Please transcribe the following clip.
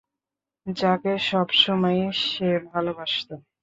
যাকে সবসময়ই সে ভালোবাসত।